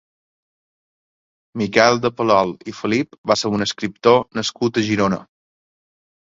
Miquel de Palol i Felip va ser un escriptor nascut a Girona.